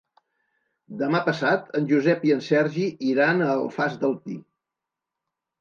Demà passat en Josep i en Sergi iran a l'Alfàs del Pi.